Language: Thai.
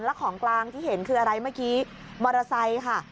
แล้วของกลางที่เห็นคืออะไรเมื่อกี้มอเตอร์ไซค์ค่ะ